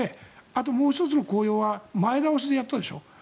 あともう１つの効用は前倒しでやったでしょ。